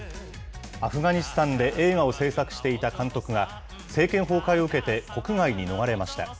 アフガニスタンで映画を製作していた監督が、政権崩壊を受けて国外に逃れました。